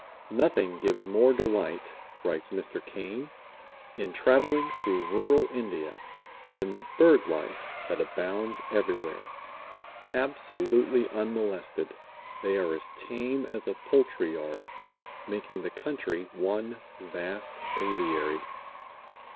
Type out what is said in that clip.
"Nothing gives more delight," writes Mr. Caine, "in traveling through rural India than the bird life that abounds everywhere; absolutely unmolested, they are as tame as a poultry yard, making the country one vast aviary.